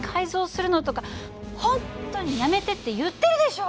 本当にやめてって言ってるでしょ！